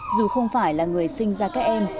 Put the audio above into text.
dù không phải là người sinh ra các em